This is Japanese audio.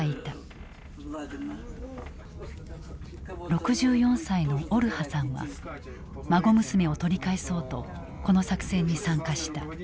６４歳のオルハさんは孫娘を取り返そうとこの作戦に参加した。